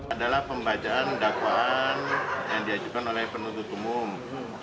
adalah pembacaan dakwaan yang diajukan oleh penuntut umum